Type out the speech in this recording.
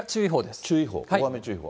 注意報、大雨注意報。